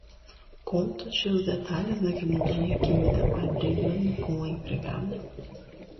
conto-te os detalhes daquele dia que vi teu pai brigando com a empregada?